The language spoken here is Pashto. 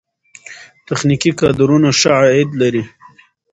تخنیکي کارونه ښه عاید لري.